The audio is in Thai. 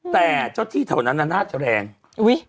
แต่เจ้าที่เถอะนั้นน่าจะแรงอุ๊ย